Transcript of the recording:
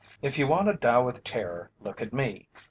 If you want to die with terror, look at me.